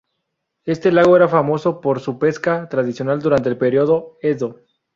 Este lago era famoso por su pesca tradicional durante el Período Edo.